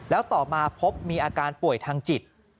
แล้วต่อมาพบมีอาการป่วยทางจิต